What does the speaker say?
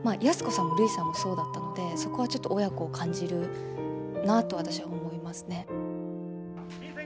安子さんもるいさんもそうだったのでそこはちょっと親子を感じるなと私は思いますね。